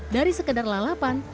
dari sekedar lalapan